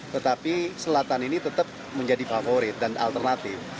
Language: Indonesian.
tetapi selatan ini tetap menjadi favorit dan alternatif